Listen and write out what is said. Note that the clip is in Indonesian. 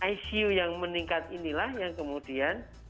icu yang meningkat inilah yang kemudian